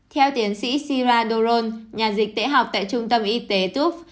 theo tiến sĩ syrah doron nhà dịch tệ học tại trung tâm y tế tuft